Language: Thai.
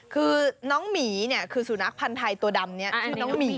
คือน้องหมีเนี่ยคือสุนัขพันธ์ไทยตัวดำนี้ชื่อน้องหมี